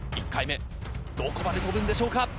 １回目どこまで飛ぶんでしょうか？